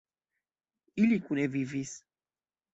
Ili kune vivis.